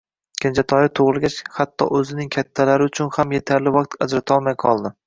Kenjatoyi tug`ilgach, hatto o`zining kattalari uchun ham etarli vaqt ajratolmay qoldi